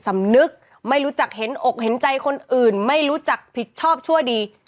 สำนึกไม่รู้จักเห็นอกเห็นใจคนอื่นไม่รู้จักผิดชอบชั่วดี